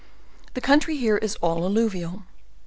The coun try here is all alluvial.